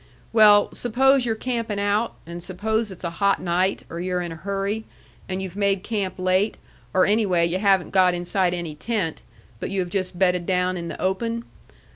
Well, suppose you're camping out, and suppose it's a hot night, or you're in a hurry, and you've made camp late, or anyway you haven't got inside any tent, but you have just bedded down in the open.